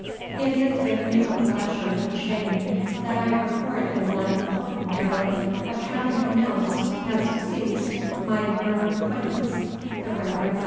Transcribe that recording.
It is with mingled pleasure and shame that I record the more important error, of having announced as deceased my learned acquaintance, the Rev. Dr.